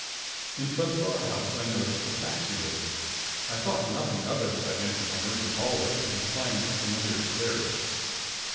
In front of our house I noticed a taxi waiting. I thought nothing of it as I entered the murky hallway and climbed the familiar stairs.